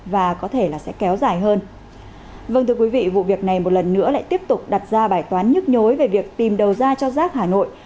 vâng thưa quý vị vụ việc này một lần nữa lại tiếp tục đặt ra bài toán nhức nhối về việc tìm đầu ra cho rác hà nội